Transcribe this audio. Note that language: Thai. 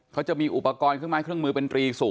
เขาจะมีอุปกรณ์เครื่องมือเป็น๓๐